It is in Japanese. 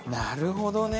なるほど。